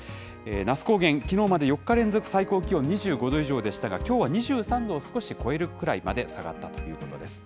那須高原、きのうまで４日連続、最高気温２５度以上でしたが、きょうは２３度を少し超えるくらいまで下がったということです。